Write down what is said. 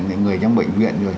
những người trong bệnh viện